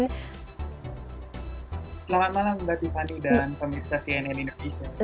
selamat malam mbak tiffany dan pemirsa cnn indonesia